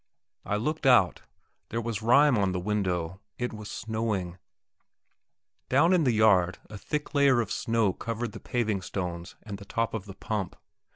I looked out; there was rime on the window; it was snowing. Down in the yard a thick layer of snow covered the paving stones and the top of the pump.